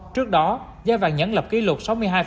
trước đó giá vàng nhẫn lập kỷ lục